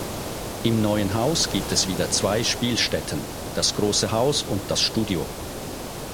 Im neuen Haus gibt es wieder zwei Spielstätten, das große Haus und das Studio.